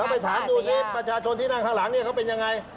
ไปถามดูสิประชาชนที่นั่งข้างหลังเนี่ยเขาเป็นยังไง